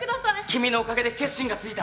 君のおかげで決心がついた。